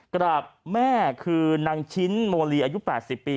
กราบแม่คือนางชิ้นโมลีอายุ๘๐ปี